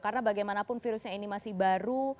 karena bagaimanapun virusnya ini masih baru